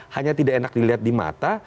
hanya tidak enak dilihat di mata